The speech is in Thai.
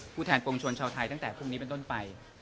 แทนปวงชนชาวไทยตั้งแต่พรุ่งนี้เป็นต้นไป